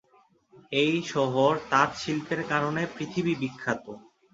এই শহর তাঁত শিল্পের কারণে পৃথিবী বিখ্যাত।